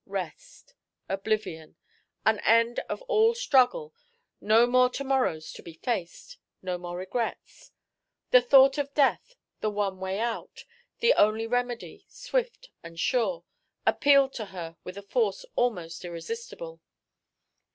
Rest, oblivion, an end of all struggle, no more to morrows to be faced, no more regrets.... The thought of death, the one way out, the only remedy, swift and sure, appealed to her with a force almost irresistible.